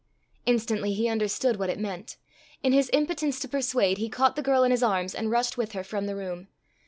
Instantly he understood what it meant. In his impotence to persuade, he caught the girl in his arms, and rushed with her from the room.